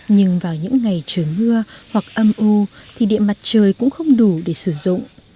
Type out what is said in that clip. nhưng vào những ngày trời mưa hoặc âm u thì điện mặt trời cũng không đủ để sử dụng